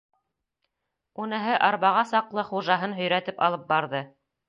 Уныһы арбаға саҡлы хужаһын һөйрәтеп алып барҙы.